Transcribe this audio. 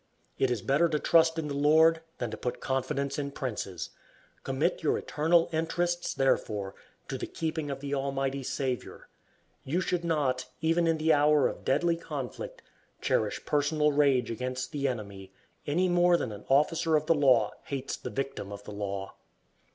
It is better to trust in the Lord than to put confidence in princes. Commit your eternal interests, therefore, to the keeping of the Almighty Saviour. You should not, even in the hour of deadly conflict, cherish personal rage against the enemy, any more than an officer of the law hates the victim of the law.